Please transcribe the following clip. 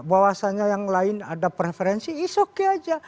bahwasannya yang lain ada preferensi is okay aja